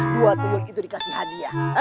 dua tuan itu dikasih hadiah eh